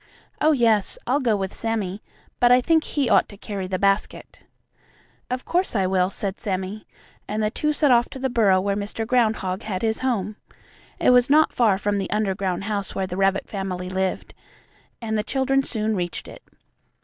"Oh, yes. I'll go with Sammie. But I think he ought to carry the basket." "Of course I will," said Sammie, and the two set off to the burrow where Mr. Groundhog had his home. It was not far from the underground house where the rabbit family lived, and the children soon reached it.